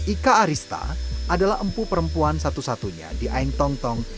ika arista adalah empu perempuan satu satunya di aingtongtong